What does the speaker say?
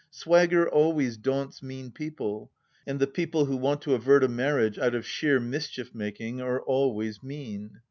Swagger always daunts mean people, and the people who want to avert a marriage out of sheer mischief making are always mean.